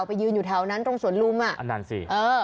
ไปยืนอยู่แถวนั้นตรงสวนลุมอ่ะอันนั้นสิเออ